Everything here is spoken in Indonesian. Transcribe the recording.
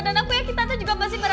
dan aku yakin tante juga masih berasa